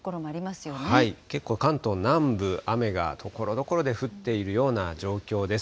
結構、関東南部、雨がところどころで降っているような状況です。